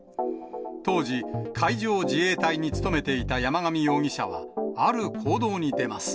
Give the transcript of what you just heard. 当時、海上自衛隊に勤めていた山上容疑者は、ある行動に出ます。